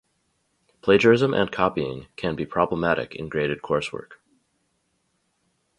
Plagiarism and copying can be problematic in graded coursework.